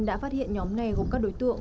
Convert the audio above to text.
đã phát hiện nhóm này gồm các đối tượng